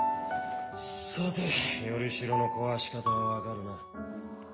さて依代の壊し方は分かるな？